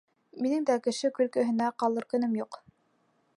Минең дә кеше көлкөһөнә ҡалыр көнөм юҡ!